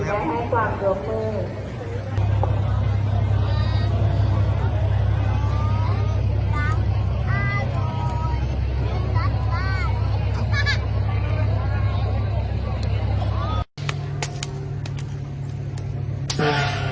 และด้วยสามารถวิธีที่จะ